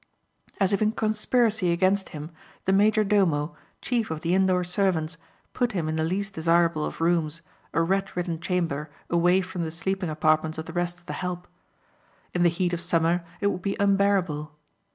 As if in conspiracy against him the major domo, chief of the indoor servants, put him in the least desirable of rooms, a rat ridden chamber away from the sleeping apartments of the rest of the help. In the heat of summer it would be unbearable.